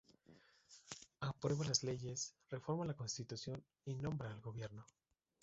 Aprueba las leyes, reforma la Constitución y nombra al gobierno.